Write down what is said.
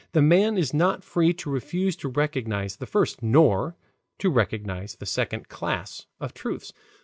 The man is not free to refuse to recognize the first, nor to recognize the second class of truths.